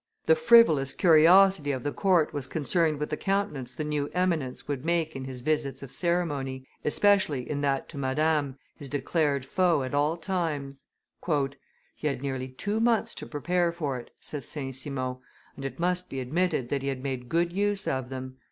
The frivolous curiosity of the court was concerned with the countenance the new Eminence would make in his visits of ceremony, especially in that to Madame, his declared foe at all times. "He had nearly two months to prepare for it," says St. Simon, and it must be admitted that he had made good use of them.